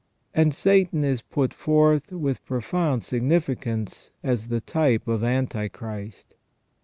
And Satan is put forth with pro found significance as the type of Antichrist.